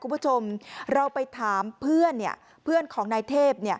คุณผู้ชมเราไปถามเพื่อนเพื่อนของนายเทพ